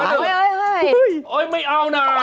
เฮ้ยไม่เอานะ